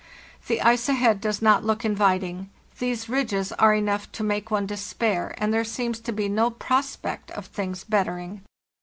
The ice ahead does not S look inviting. These ridges are enough to make one despair, and there seems to be no prospect of things bettering.